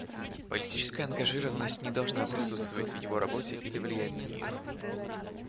Политическая ангажированность не должна присутствовать в его работе или влиять на нее.